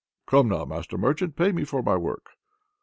"Come now, master merchant! pay me for my work."